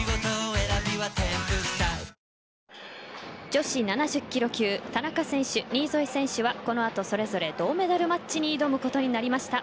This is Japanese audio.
女子７０キロ級、田中選手新添選手はこの後それぞれ銅メダルマッチに挑むことになりました。